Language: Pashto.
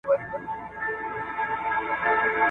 نه په سیند نه په ویالو کي به بهیږي !.